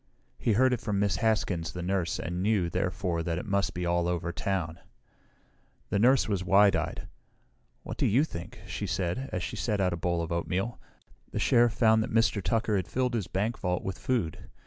He heard it from Miss Haskins the nurse and knew, therefore, that it must be all over town. The nurse was wide eyed. "What do you think?" she said, as she set out the bowl of oatmeal. "The Sheriff found that Mr. Tucker had filled his bank vault with food.